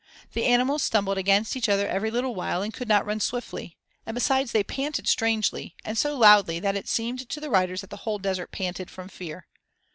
The animals stumbled against each other every little while and could not run swiftly, and besides they panted strangely, and so loudly that it seemed to the riders that the whole desert panted from fear.